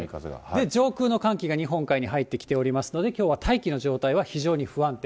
上空の寒気が入ってきておりますので、きょうは大気の状態は非常に不安定。